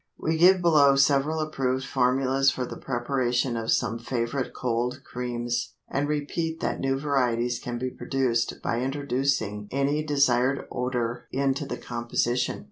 We give below several approved formulas for the preparation of some favorite cold creams, and repeat that new varieties can be produced by introducing any desired odor into the composition.